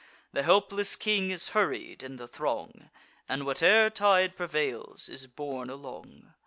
The helpless king is hurried in the throng, And, whate'er tide prevails, is borne along.